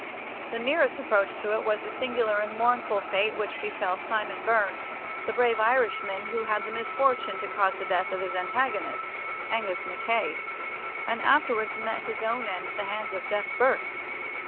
The nearest approach to it was the singular and mournful fate which befell Simon Byrne, the brave Irishman, who had the misfortune to cause the death of his antagonist, Angus Mackay, and afterwards met his own end at the hands of Deaf Burke.